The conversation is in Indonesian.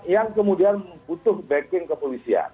yang kemudian butuh backing kepolisian